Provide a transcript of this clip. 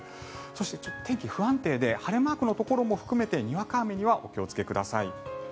そして、天気が不安定で晴れマークのところも含めてにわか雨にはお気をつけください。